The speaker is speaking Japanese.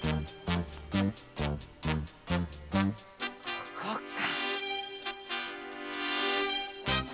ここか！